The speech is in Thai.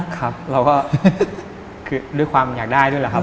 ครับเราก็คือด้วยความอยากได้ด้วยแหละครับ